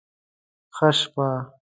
ښه شپه